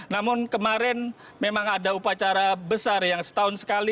namun kemarin memang ada upacara besar yang setahun sekali